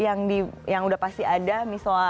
jadi yang sudah pasti ada misoah